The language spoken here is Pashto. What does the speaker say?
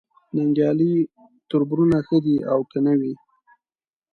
ننګیالي تربرونه ښه دي او که نه وي